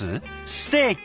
ステーキ。